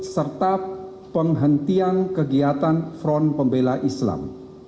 serta penghentian kegiatan front pembela islam